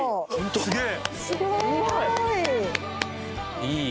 すごーい